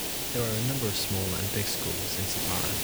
There are number of small and big schools in Sopara.